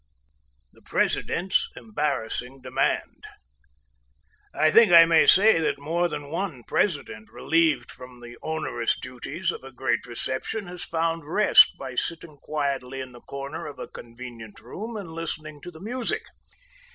The President's Embarrassing Demand. I think I may say that more than one President, relieved from the onerous duties of a great reception, has found rest by sitting quietly in the corner of a convenient room and listening to the music.